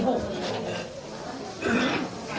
หรือว่า